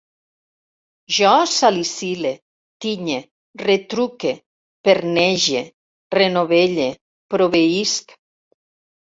Jo salicile, tinye, retruque, pernege, renovelle, proveïsc